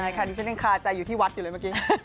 ใช่ค่ะดิฉันยังคาใจอยู่ที่วัดอยู่เลยเมื่อกี้